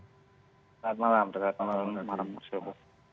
selamat malam terima kasih